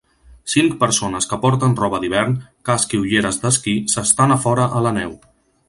Cinc persones que porten roba d'hivern, casc i ulleres d'esquí s'estan a fora a la neu.